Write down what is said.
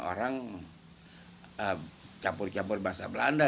orang campur campur bahasa belanda